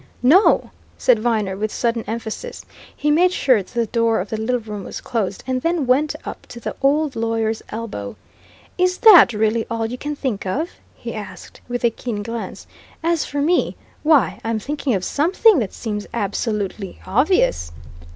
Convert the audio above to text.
"No!" said Viner with sudden emphasis. He made sure that the door of the little room was closed, and then went up to the old lawyer's elbow. "Is that really all you can think of?" he asked, with a keen glance. "As for me why, I'm thinking of something that seems absolutely obvious!"